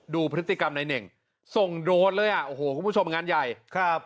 ดูพฤติกรรมในเน่งส่งโดรนเลยอ่ะโอ้โหคุณผู้ชมงานใหญ่ครับ